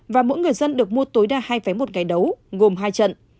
và mỗi người dân được mua tối đa hai vé một ngày đấu gồm hai trận